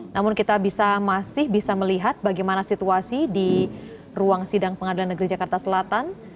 namun kita masih bisa melihat bagaimana situasi di ruang sidang pengadilan negeri jakarta selatan